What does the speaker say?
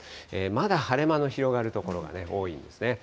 まだ晴れ間の広がる所が多いんですね。